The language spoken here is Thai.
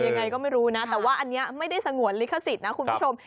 ยังไงก็ไม่รู้นะแต่ว่าอันนี้ไม่ได้สงวนลิขสิทธิ์นะคุณผู้ชม